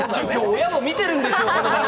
親も見てるんですよ、この番組。